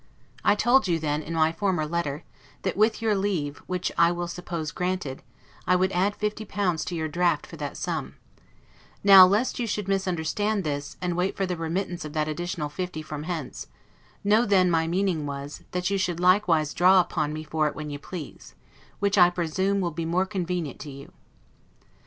I told you then, in my former letter, that, with your leave (which I will suppose granted), I would add fifty pounds to your draught for that sum; now, lest you should misunderstand this, and wait for the remittance of that additional fifty from hence, know then my meaning was, that you should likewise draw upon me for it when you please; which I presume, will be more convenient to you.